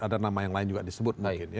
ada nama yang lain juga disebut mungkin ya